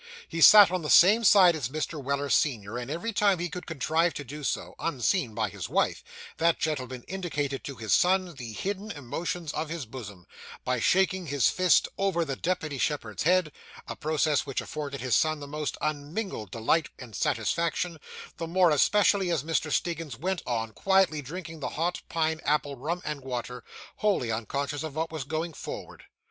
He sat on the same side as Mr. Weller, senior; and every time he could contrive to do so, unseen by his wife, that gentleman indicated to his son the hidden emotions of his bosom, by shaking his fist over the deputy shepherd's head; a process which afforded his son the most unmingled delight and satisfaction, the more especially as Mr. Stiggins went on, quietly drinking the hot pine apple rum and water, wholly unconscious of what was going forward.